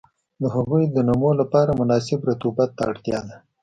د هغوی د نمو لپاره مناسب رطوبت ته اړتیا ده.